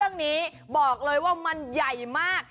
เรื่องนี้บอกเลยว่ามันใหญ่มาก